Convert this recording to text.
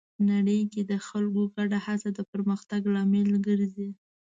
نړۍ کې د خلکو ګډه هڅه د پرمختګ لامل ګرځي.